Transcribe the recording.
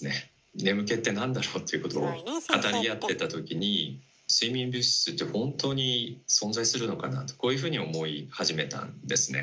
「眠気ってなんだろう？」っていうことを語り合ってた時に睡眠物質って本当に存在するのかなとこういうふうに思い始めたんですね。